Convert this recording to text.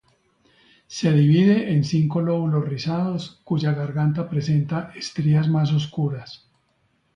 Se divide en cinco lóbulos rizados, cuya garganta presenta estrías más oscuras.